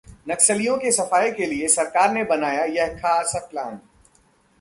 नक्सलियों के सफाये के लिए सरकार ने बनाया यह खास प्लान